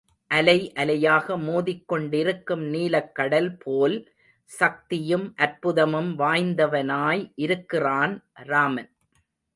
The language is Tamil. அலை அலையாக மோதிக் கொண்டிருக்கும் நீலக்கடல் போல் சக்தியும் அற்புதமும் வாய்ந்தவனாய் இருக்கிறான் ராமன்.